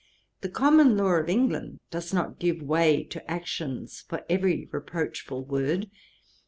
The common law of England does not give way to actions for every reproachful word.